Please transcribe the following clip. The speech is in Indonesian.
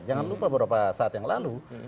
jangan lupa beberapa saat yang lalu